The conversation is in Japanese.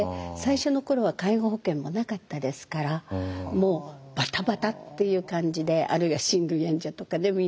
最初の頃は介護保険もなかったですからもうバタバタっていう感じであるいは親類縁者とかね